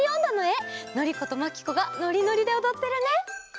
のりことまきこがノリノリでおどってるね！